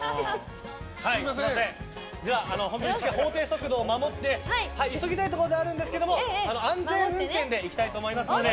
では、法定速度を守って急ぎたいところではあるんですが安全運転で行きたいと思いますので。